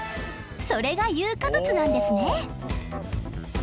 それが有価物なんですね！